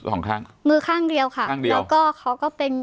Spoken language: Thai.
สองข้างมือข้างเดียวค่ะข้างเดียวแล้วก็เขาก็เป็น